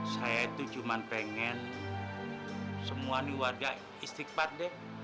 saya itu cuman pengen semua nih warga istighfar deh